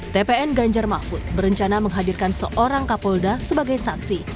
tpn ganjar mahfud berencana menghadirkan seorang kapolda sebagai saksi